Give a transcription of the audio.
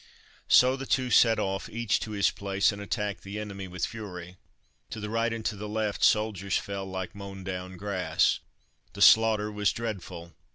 So the two set off, each to his place, and attacked the enemy with fury. To the right and to the left the soldiers fell like mown down grass. The slaughter was dreadful.